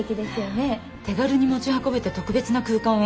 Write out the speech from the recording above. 手軽に持ち運べて特別な空間を演出できる。